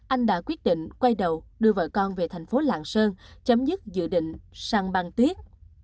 anh đã quyết định quay đầu đưa vợ con về thành phố lạng sơn chấm dứt dự định săn băng tuyết